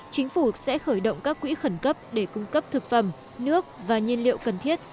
chính phủ sẽ khởi động các quỹ khẩn cấp để cung cấp thực phẩm nước và nhiên liệu cần thiết